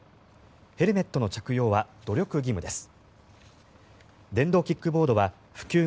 ヘルメットの着用は努力義務です。